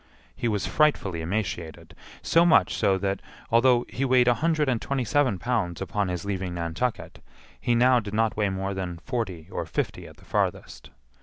He was frightfully emaciated; so much so that, although he weighed a hundred and twenty seven pounds upon his leaving Nantucket, he now did not weigh more than forty or fifty at the farthest.